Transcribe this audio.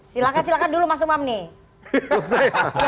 silahkan silakan dulu mas umam nih